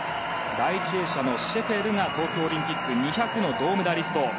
第１泳者のシェフェルが東京オリンピック２００の銅メダリスト。